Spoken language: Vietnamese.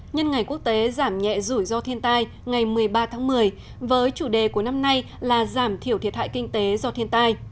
nhân ngày quốc tế giảm nhẹ rủi ro thiên tai ngày một mươi ba tháng một mươi với chủ đề của năm nay là giảm thiểu thiệt hại kinh tế do thiên tai